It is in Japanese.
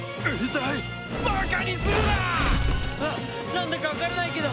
なんだかわからないけど。